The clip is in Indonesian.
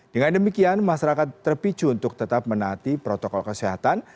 dengan demikian masyarakat terpicu untuk tetap menaati protokol kesehatan